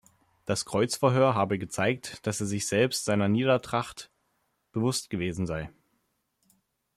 Das Kreuzverhör habe gezeigt, dass er sich selbst seiner Niedertracht bewusst gewesen sei.